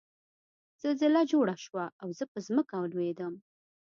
زلزله جوړه شوه او زه په ځمکه ولوېدم